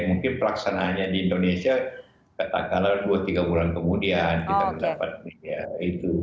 mungkin pelaksanaannya di indonesia kata kata dua tiga bulan kemudian kita dapat media itu